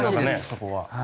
そこは。